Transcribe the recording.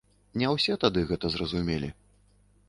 Не ўсе тады гэта зразумелі.